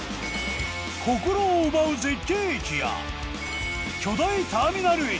心を奪う絶景駅や巨大ターミナル駅